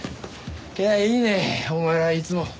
いやいいねお前らはいつも。